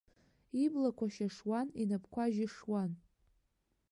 Иблақәа шьашуан, инапқәа жьышуан.